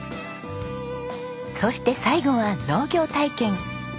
そして最後は農業体験。